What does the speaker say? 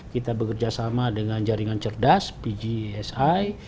kita bekerjasama dengan jaringan cerdas pgsi